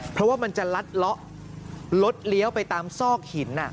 เพราะว่ามันจะลัดเลาะรถเลี้ยวไปตามซอกหิน